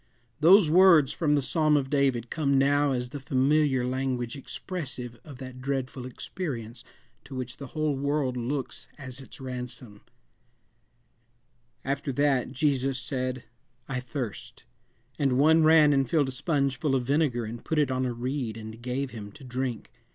Those words, from the Psalm of David, come now as the familiar language expressive of that dreadful experience to which the whole world looks as its ransom: "After that, Jesus said, I thirst. And one ran and filled a sponge full of vinegar and put it on a reed and gave him to drink.